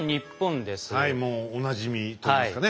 はいもうおなじみといいますかね。